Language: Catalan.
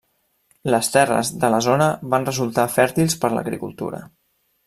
Les terres de la zona van resultar fèrtils per l'agricultura.